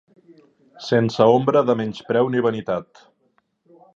Sense ombra de menyspreu ni vanitat